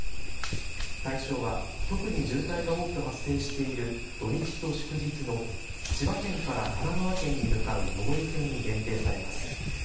対象は特に渋滞が多く発生している土日と祝日の千葉県から神奈川県に向かう上り線に限定されます。